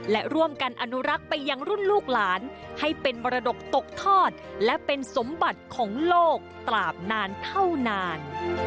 และร่วมกันอนุรักษ์ไปยังรุ่นลูกหลานให้เป็นมรดกตกทอดและเป็นสมบัติของโลกตราบนานเท่านาน